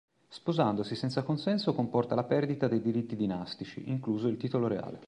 Sposandosi senza consenso comporta la perdita dei diritti dinastici, incluso il titolo reale.